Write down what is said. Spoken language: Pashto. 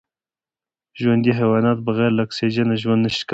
ژوندي حیوانات بغیر له اکسېجنه ژوند نشي کولای